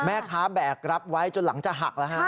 แบกรับไว้จนหลังจะหักแล้วฮะ